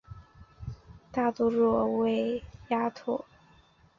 大杜若为鸭跖草科杜若属的植物。